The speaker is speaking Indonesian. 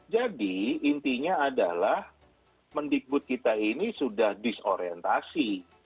jadi intinya adalah mendikbud kita ini sudah disorientasi